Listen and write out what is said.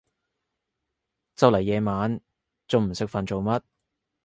就嚟夜晚，仲唔食飯做乜？